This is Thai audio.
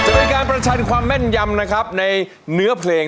จะเป็นการประชัดความแม่นยำในเหนือเพลง